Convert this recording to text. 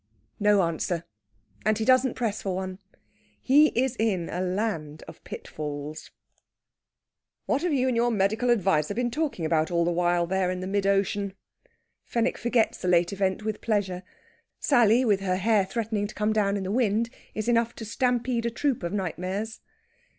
No answer. And he doesn't press for one. He is in a land of pitfalls. "What have you and your medical adviser been talking about all the while, there in mid ocean?" Fenwick forgets the late event with pleasure. Sally, with her hair threatening to come down in the wind, is enough to stampede a troop of nightmares.